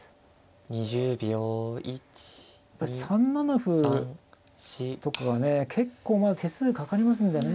３七歩とかがね結構まだ手数かかりますんでね。